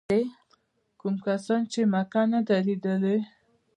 کوم کسان چې مکه نه ده لیدلې.